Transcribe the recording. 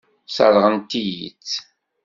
Sseṛɣent-iyi-tt.